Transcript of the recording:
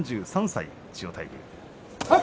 ３３歳千代大龍